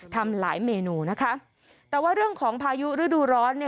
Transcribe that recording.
ทำหลายเมนูนะคะแต่ว่าเรื่องของพายุฤดูร้อนเนี่ย